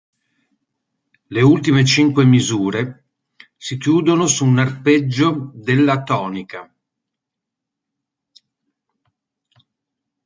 Le ultime cinque misure si chiudono su un arpeggio della tonica.